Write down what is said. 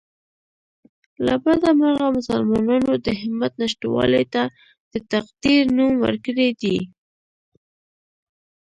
له بده مرغه مسلمانانو د همت نشتوالي ته د تقدیر نوم ورکړی دی